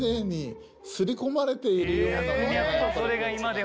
それが今でも。